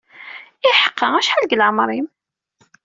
Iḥqa, acḥal deg leɛmer-im?